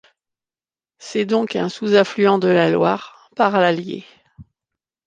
C'est donc un sous-affluent de la Loire, par l'Allier.